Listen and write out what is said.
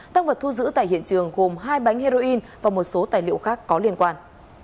tăng vật thu giữ tại hiện trường gồm hai bánh heroin và một số tài liệu khác có liên quan